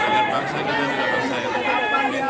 dengan bangsa dan dengan bangsa yang kuat